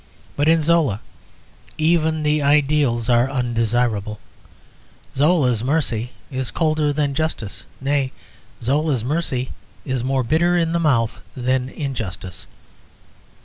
But in Zola even the ideals are undesirable; Zola's mercy is colder than justice nay, Zola's mercy is more bitter in the mouth than injustice.